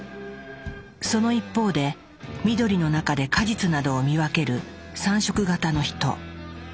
その一方で緑の中で果実などを見分ける３色型のヒト。